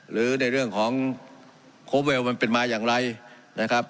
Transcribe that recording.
หรือในเรื่องของโคเวลมันเป็นมาอย่างไรนะครับ